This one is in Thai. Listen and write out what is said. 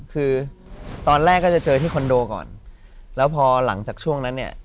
คือตอนแรกก็จะเจอที่คอนโดก่อนแล้วพอหลังจากช่วงนั้นเนี่ย